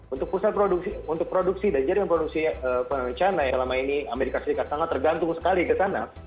untuk pusat untuk produksi dan jaringan produksi china yang lama ini amerika serikat sangat tergantung sekali ke sana